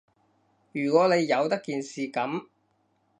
如果你由得件事噉